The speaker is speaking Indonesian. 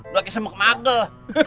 gue kayak semut magel